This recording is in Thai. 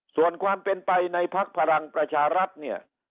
ส่วนความเป็นไปในพักพลังประชารัฐเนี่ย